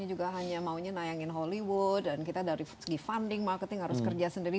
juga hanya maunya nayangin hollywood dan kita dari segi funding marketing harus kerja sendiri